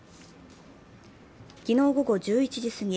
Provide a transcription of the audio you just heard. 昨日午後１１時過ぎ